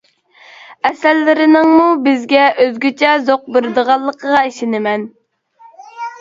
ئەسەرلىرىنىڭمۇ بىزگە ئۆزگىچە زوق بېرىدىغانلىقىغا ئىشىنىمەن.